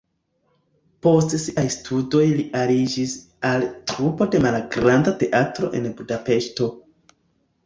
Post siaj studoj li aliĝis al trupo de malgranda teatro en Budapeŝto.